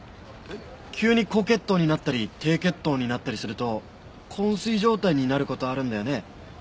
急に高血糖になったり低血糖になったりすると昏睡状態になる事あるんだよね？